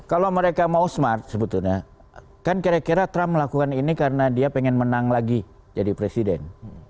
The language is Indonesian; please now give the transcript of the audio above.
kalau mereka mau smart sebetulnya kan kira kira trump melakukan ini karena dia pengen menang lagi jadi presiden